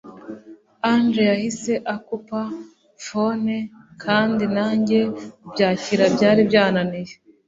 Angel yahise akupa phone kandi nanjye kubyakira byari byananiye